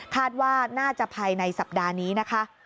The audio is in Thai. คาดว่าน่าจะภายในสัปดาห์นี้นะคะ